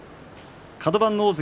カド番の大関